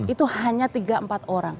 itu hanya tiga empat orang